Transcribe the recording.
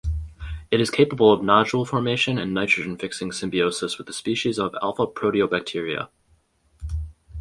It is capable of nodule formation and nitrogen fixing symbiosis with species of alphaproteobacteria.